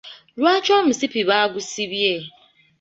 Lwaki omusipi baagusibye?